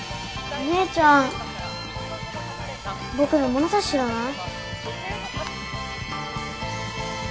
お姉ちゃん僕の物差し知らない？